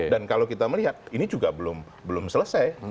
dan kalau kita melihat ini juga belum selesai